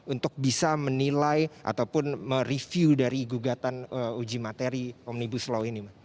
untuk bisa menilai ataupun mereview dari gugatan uji materi omnibus law ini